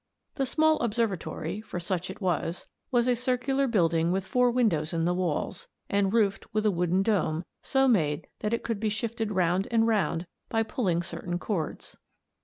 The small observatory, for such it was, was a circular building with four windows in the walls, and roofed with a wooden dome, so made that it could be shifted round and round by pulling certain cords.